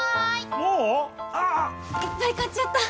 もう⁉ああ・・・いっぱい買っちゃった！